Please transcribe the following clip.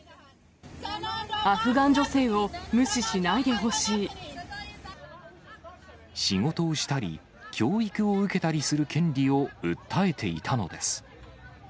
アフガン女性を無視しないで仕事をしたり、教育を受けたりする権利を訴えていたのです。